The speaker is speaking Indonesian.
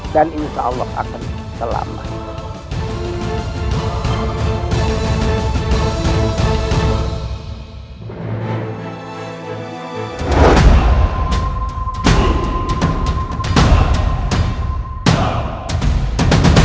dan insya allah akan selamat